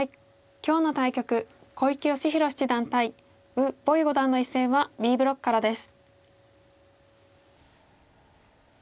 今日の対局小池芳弘七段対呉柏毅五段の一戦はＢブロックからです。